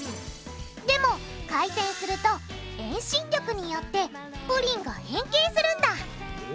でも回転すると遠心力によってプリンが変形するんだ。